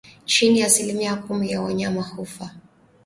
Chini ya asilimia kumi ya wanyama hufa